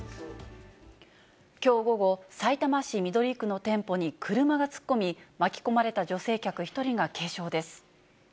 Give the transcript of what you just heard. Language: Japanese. きょう午後、さいたま市緑区の店舗に車が突っ込み、巻き込まれた女性客１人が軽傷です。